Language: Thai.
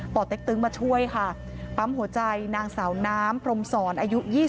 เต็กตึงมาช่วยค่ะปั๊มหัวใจนางสาวน้ำพรมศรอายุ๒๒